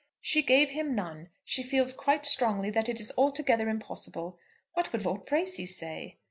"She gave him none. She feels quite strongly that it is altogether impossible. What would Lord Bracy say?"